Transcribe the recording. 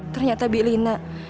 ternyata bibik lina